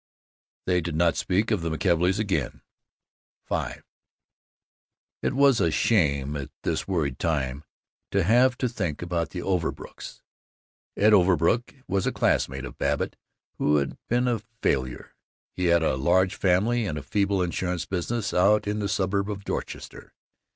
They did not speak of the McKelveys again. V It was a shame, at this worried time, to have to think about the Overbrooks. Ed Overbrook was a classmate of Babbitt who had been a failure. He had a large family and a feeble insurance business out in the suburb of Dorchester.